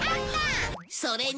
それに